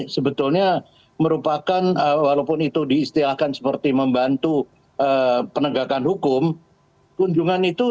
sebetulnya merupakan walaupun itu diistilahkan seperti membantu penegakan hukum kunjungan itu